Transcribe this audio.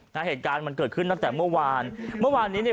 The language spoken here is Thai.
เหตุการณ์มันเกิดขึ้นตั้งแต่เมื่อวานเมื่อวานนี้เนี่ย